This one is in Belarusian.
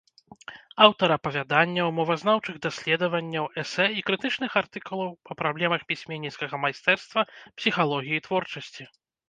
Аўтар апавяданняў, мовазнаўчых даследаванняў, эсэ і крытычных артыкулаў па праблемах пісьменніцкага майстэрства, псіхалогіі творчасці.